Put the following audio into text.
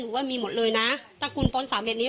หนูว่ามีหมดเลยนะถ้าคุณพ้นสามเบียดนี้